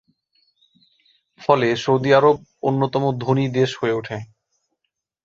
ফলে Saudi Arab অন্যতম ধনী দেশ হয়ে উঠে।